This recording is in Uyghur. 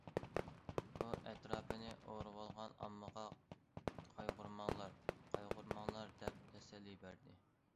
ئۇ ئەتراپىنى ئورىۋالغان ئاممىغا، قايغۇرماڭلار، قايغۇرماڭلار، دەپ تەسەللى بەردى.